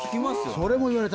それも言われた。